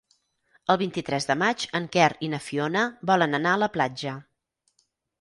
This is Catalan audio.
El vint-i-tres de maig en Quer i na Fiona volen anar a la platja.